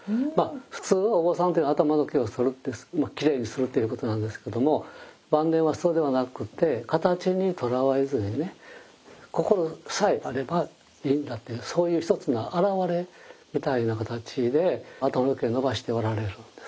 普通はお坊さんっていうのは頭の毛を剃るってきれいにするということなんですけども晩年はそうではなくて形にとらわれずにね心さえあればいいんだってそういう一つの表れみたいな形で頭の毛伸ばしておられるんです。